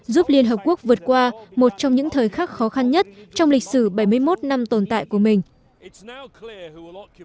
giúp liên hợp quốc vượt qua một trong những thời khắc khó khăn nhất trong lịch sử bảy mươi một năm tồn tại của mình